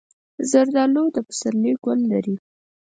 زردالو د پسرلي ګل لري.